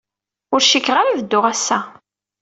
Ur cikkeɣ ara ad dduɣ ass-a.